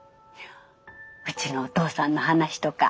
うちのお父さんの話とか。